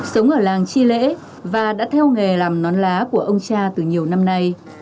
sống ở làng chi lễ và đã theo nghề làm nón lá của ông cha từ nhiều năm nay